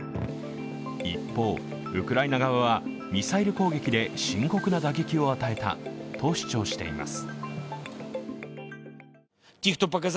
一方、ウクライナ側はミサイル攻撃で深刻な打撃を与えたと主張しています。